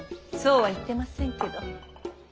そうは言ってませんけど。